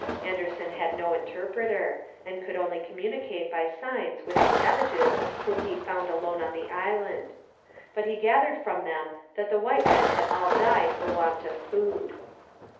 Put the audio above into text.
Anderson had no interpreter, and could only communicate by signs with the savages whom he found alone on the island. But he gathered from them that the white men had all died for want of food.